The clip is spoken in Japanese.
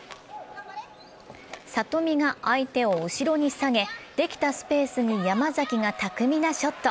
里見が相手を後ろに下げ、できたスペースに山崎が巧みなショット。